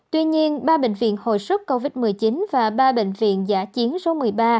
tuy nhiên ba bệnh viện hồi sức covid một mươi chín và ba bệnh viện giả chiến số một mươi ba một mươi năm một mươi sáu